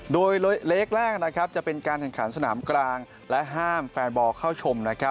โดยเลขแรกจะเป็นการแข่งขันสนามกลางและห้ามแฟนบอลเข้าชม